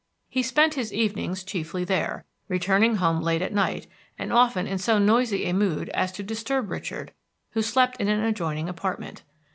He spent his evenings chiefly there, returning home late at night, and often in so noisy a mood as to disturb Richard, who slept in an adjoining apartment.